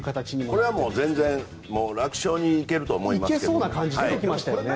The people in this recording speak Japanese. これは全然楽勝に行けると思いますね。